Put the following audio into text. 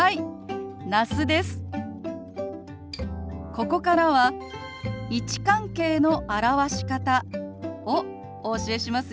ここからは位置関係の表し方をお教えしますよ。